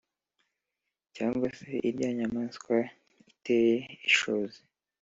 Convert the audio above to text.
cyangwa se iry’inyamaswa iteye ishozi.